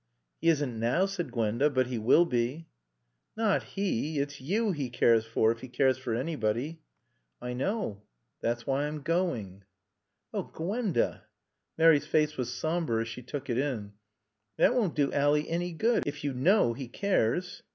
"He isn't now," said Gwenda. "But he will be." "Not he. It's you he cares for if he cares for anybody." "I know. That's why I'm going." "Oh, Gwenda " Mary's face was somber as she took it in. "That won't do Ally any good. If you know he cares."